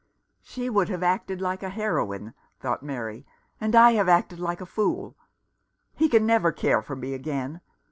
" She would have acted like a heroine," thought Mary, "and I have acted like a fool. He can never care for me again.